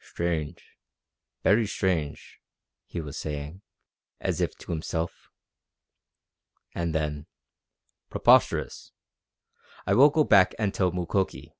"Strange, very strange," he was saying, as if to himself. And then: "Preposterous! I will go back and tell Mukoki.